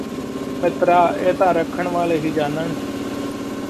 ਮਿੱਤਰਾ ਇਹ ਤਾਂ ਰੱਖਣ ਵਾਲੇ ਈ ਜਾਨਣ